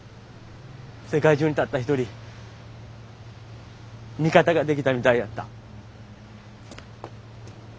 世界中にたった一人味方ができたみたいやった。